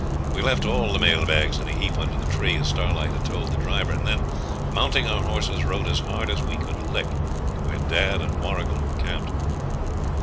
We left all the mail bags in a heap under the tree, as Starlight had told the driver; and then, mounting our horses, rode as hard as we could lick to where dad and Warrigal were camped.